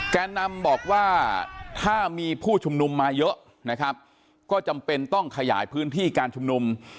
แก่นำบอกว่าถ้ามีผู้ชุมนุมมาเยอะนะครับก็จำเป็นต้องขยายพื้นที่การชุมนุม